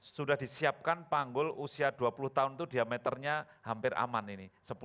sudah disiapkan panggul usia dua puluh tahun itu diameternya hampir aman ini